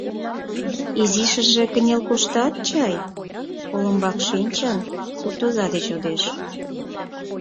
— Изишыже кынел коштат чай? — олымбак шинчын, суртоза деч йодеш.